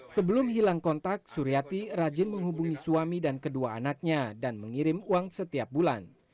sebelum hilang kontak suryati rajin menghubungi suami dan kedua anaknya dan mengirim uang setiap bulan